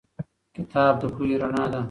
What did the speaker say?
کتاب د پوهې رڼا ده.